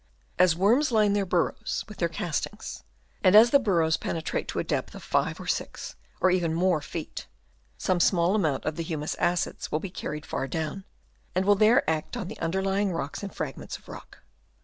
As worms line their burrows with their castings, and as the burrows penetrate to a depth of 5 or 6, or even more feet, some small amount of the humus acids will be carried far down, and will there act on the underlying rocks and fragments of rock.